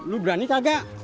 lo berani kagak